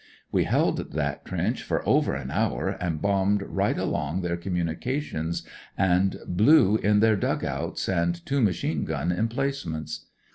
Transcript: We held that trench for over an hour, and bombed right along their com munications and blew in their dug outs and two machine gim emplacements.